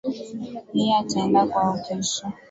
Yeye ataenda kwao kesho